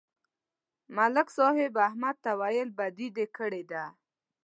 ملک صاحب احمد ته وویل: بدي دې کړې ده